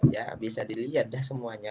ya bisa dilihat dah semuanya